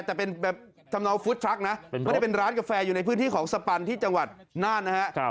แต่เป็นแบบทำเนาฟุตทรัคนะไม่ได้เป็นร้านกาแฟอยู่ในพื้นที่ของสปันที่จังหวัดน่านนะฮะ